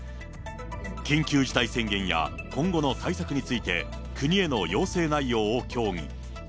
緊急事態宣言や今後の対策について国への要請内容を協議。